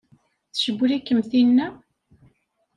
Tcewwel-ikem tinna?